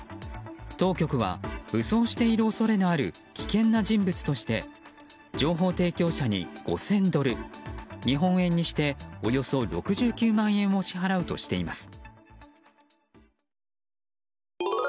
当局は、武装している恐れのある危険な人物として情報提供者に、５０００ドル日本円にしておよそ６９万円を支払うとしています。